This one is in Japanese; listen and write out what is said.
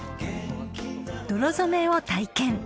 ［泥染めを体験］